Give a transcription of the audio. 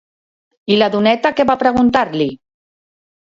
I la doneta què va preguntar-li?